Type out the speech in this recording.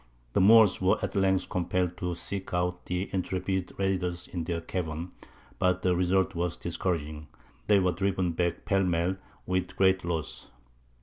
The Moors were at length compelled to seek out the intrepid raiders in their cavern; but the result was discouraging; they were driven back pell mell with great loss.